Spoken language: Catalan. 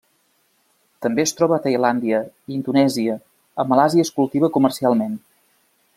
També es troba a Tailàndia, Indonèsia, a Malàisia es cultiva comercialment.